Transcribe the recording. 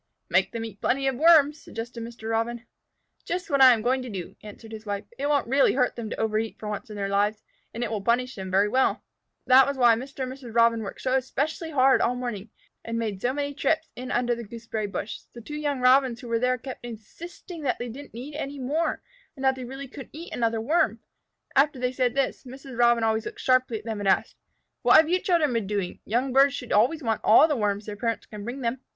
"Make them eat plenty of Worms," suggested Mr. Robin. "Just what I am going to do," answered his wife. "It won't really hurt them to overeat for once in their lives, and it will punish them very well." That was why Mr. and Mrs. Robin worked so especially hard all morning, and made so many trips in under the gooseberry bush. The two young Robins who were there kept insisting that they didn't need any more, and that they really couldn't eat another Worm. After they said this, Mrs. Robin always looked sharply at them and asked, "What have you children been doing? Young birds should always want all the Worms their parents can bring them."